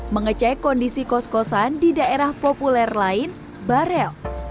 mengecek kondisi kos kosan di daerah populer lain barel